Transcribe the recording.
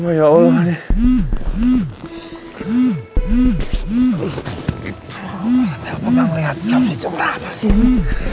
masa telepon yang liat jam tujuh berapa sih ini